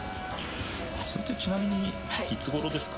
それってちなみにいつ頃ですか？